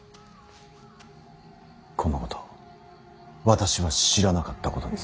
このこと私は知らなかったことにする。